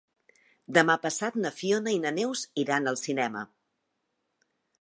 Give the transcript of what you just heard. Demà passat na Fiona i na Neus iran al cinema.